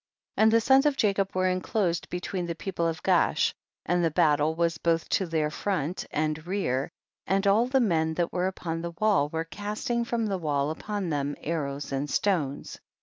18. And the sons of Jacob were enclosed between the people of Gaash, and the battle was both to their front and rear, and all the men that were upon the wall, were cast ing from the wall upon them, arrows and stones.